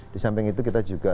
di samping itu kita juga